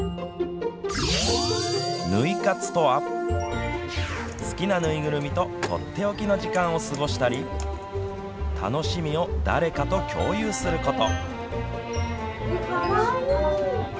ぬい活とは好きな縫いぐるみととっておきの時間を過ごしたり楽しみを誰かと共有すること。